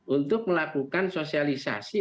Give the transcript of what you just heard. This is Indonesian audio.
untuk melakukan sosialisasi